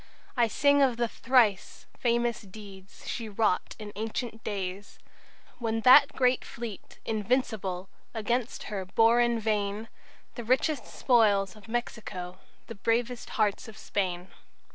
I sing of the thrice famous deeds She wrought in ancient days, When that great fleet 'Invincible' Against her bore in vain The richest spoils of Mexico, The bravest hearts of Spain."